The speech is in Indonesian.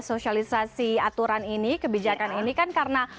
sosialisasi aturan ini kebijakan ini kan karena